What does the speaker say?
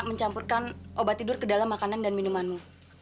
mencampurkan obat tidur ke dalam makanan dan minumanmu